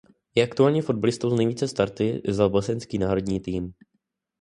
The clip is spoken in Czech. Je aktuálně fotbalistou s nejvíce starty za bosenský národní tým.